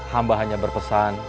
hamba hanya berpesan